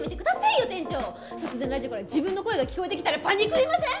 突然ラジオから自分の声が聞こえてきたらパニクりません？